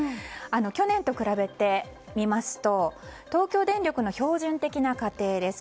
去年と比べてみますと東京電力の標準的な家庭です。